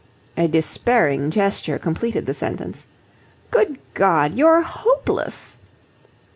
A despairing gesture completed the sentence. "Good God, you're hopeless!"